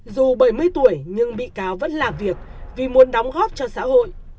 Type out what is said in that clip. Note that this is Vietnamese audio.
dù bảy mươi tuổi nhưng bị cáo vẫn làm việc vì muốn đóng góp cho xã hội